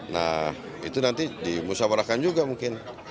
nah itu nanti dimusyawarahkan juga mungkin